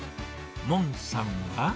モンさんは。